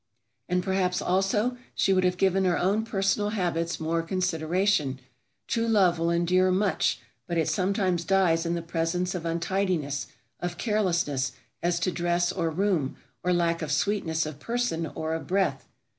And perhaps, also, she would have given her own personal habits more consideration. True love will endure much, but it sometimes dies in the presence of untidiness, of carelessness as to dress or room, or lack of sweetness of person or of breath.